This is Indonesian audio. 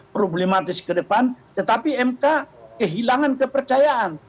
problematis ke depan tetapi mk kehilangan kepercayaan